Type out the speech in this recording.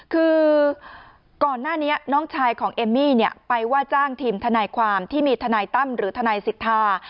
คือก่อนหน้านี้น้องชายของเอมมี่เนี่ยไปว่าจ้างทีมทนายความที่มีทนายตั้มหรือทนายสิทธา